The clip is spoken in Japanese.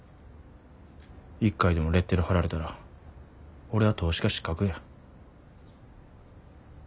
一回でもレッテル貼られたら俺は投資家失格や。